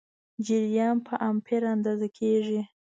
جریان په امپیر اندازه کېږي.